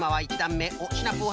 おっシナプー